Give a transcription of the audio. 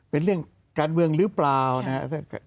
เป็นเรื่องการเมืองหรือเปล่านะครับ